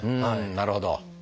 なるほど。